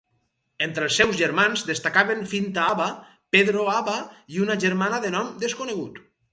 Entre els seus germans destacaven Finta Aba, Pedro Aba i una germana de nom desconegut.